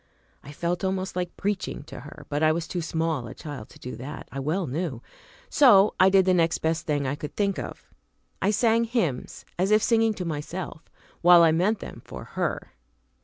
I felt almost like preaching to her, but I was too small a child to do that, I well knew; so I did the next best thing I could think of I sang hymns as if singing to myself, while I meant them for her.